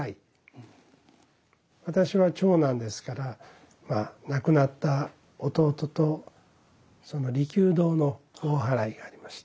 私は長男ですから亡くなった弟と利休堂の大祓がありました。